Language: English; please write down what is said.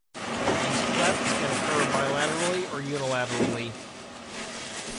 These clefts can occur bilaterally or unilaterally.